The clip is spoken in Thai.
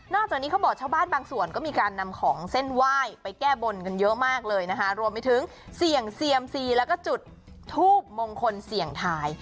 จากนี้เขาบอกชาวบ้านบางส่วนก็มีการนำของเส้นไหว้ไปแก้บนกันเยอะมากเลยนะคะรวมไปถึงเสี่ยงเซียมซีแล้วก็จุดทูบมงคลเสี่ยงทาย